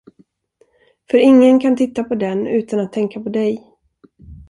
För ingen kan titta på den utan att tänka på dig.